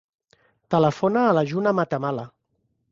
Telefona a la Juna Matamala.